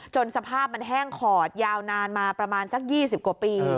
สภาพมันแห้งขอดยาวนานมาประมาณสัก๒๐กว่าปี